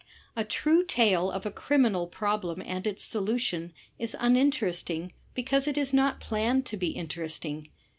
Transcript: A true tale of a criminal problem and its solution is imin teresting because it is not planned to be interesting.